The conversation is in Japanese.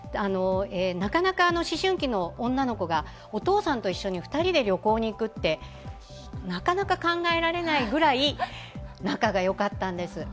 なかなか思春期の女の子がお父さんと一緒に２人で旅行に行くって考えられないぐらい仲がよかったんです。